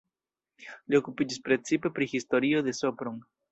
Li okupiĝis precipe pri historio de Sopron.